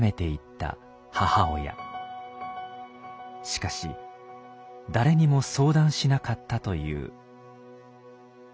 しかし誰にも相談しなかったという。